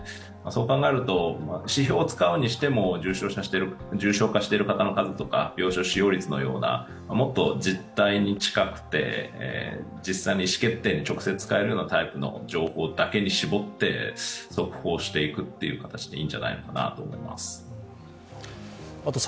そう考えると、指標を使うにしても重症化している方とか病床使用率のような、もっと実態に近くて、実際の意思決定に直接使えるタイプの情報に絞って速報していくという形でいいんじゃないかなと思います。